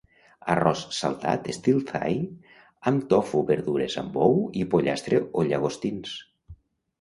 Arròs saltat estil thai amb tofu, verdures amb ou i pollastre o llagostins.